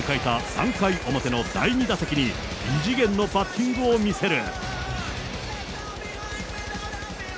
３回表の第２打席に、異次元のバッティングを見せる。